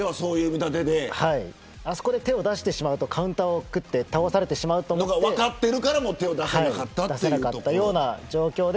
あそこで手を出してしまうとカウンターを食らって倒されてしまうと思って分かってるから、手を出せないという状況で。